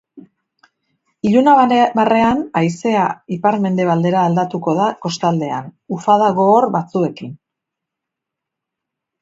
Ilunabarrean, haizea ipar-mendebaldera aldatuko da kostaldean, ufada gogor batzuekin.